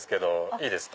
いいですか。